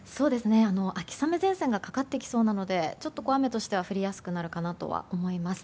秋雨前線がかかってきそうなのでちょっと雨としては降りやすくなるかと思います。